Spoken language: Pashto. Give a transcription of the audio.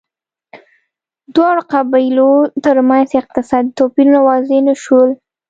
دواړو قبیلو ترمنځ اقتصادي توپیرونه واضح نه شول